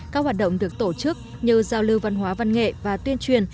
các hoạt động được tổ chức như giao lưu văn hóa văn nghệ và tuyên truyền